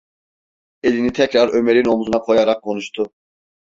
Elini tekrar Ömer’in omzuna koyarak konuştu: